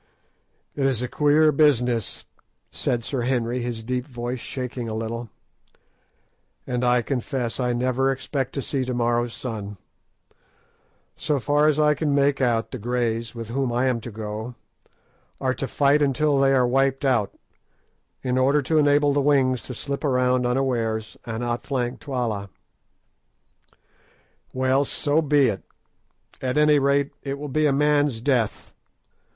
"It is a queer business," said Sir Henry, his deep voice shaking a little, "and I confess I never expect to see to morrow's sun. So far as I can make out, the Greys, with whom I am to go, are to fight until they are wiped out in order to enable the wings to slip round unawares and outflank Twala. Well, so be it; at any rate, it will be a man's death.